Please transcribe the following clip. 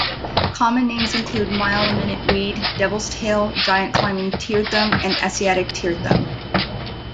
Common names include mile-a-minute weed, devil's tail, giant climbing tearthumb, and Asiatic tearthumb.